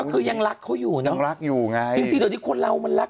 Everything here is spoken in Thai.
ก็คือยังรักเขาอยู่เนอะจริงตอนนี้คนเรามันรัก